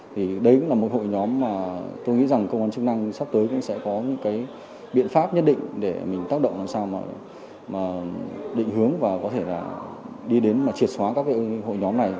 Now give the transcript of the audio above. thì đấy cũng là một hội nhóm mà tôi nghĩ rằng cơ quan chức năng sắp tới cũng sẽ có những cái biện pháp nhất định để mình tác động làm sao mà định hướng và có thể là đi đến mà triệt xóa các cái hội nhóm này